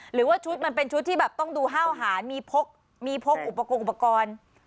หรือว่าชุดมันเป็นชุดที่แบบต้องดูห้าวหารมีพกอุปกรณ์